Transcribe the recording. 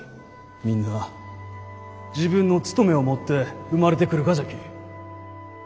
みんな自分の務めを持って生まれてくるがじゃき。